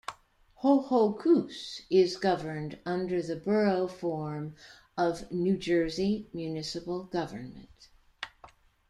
Ho-Ho-Kus is governed under the Borough form of New Jersey municipal government.